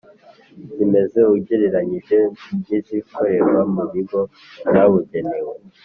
zimeze ugereranyije n’izikorerwa mu bigo byabugenewe,